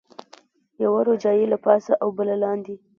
یوه روجایۍ له پاسه او بله لاندې.